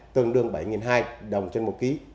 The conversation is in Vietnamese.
tương đương bảy hai trăm linh đồng trên một ký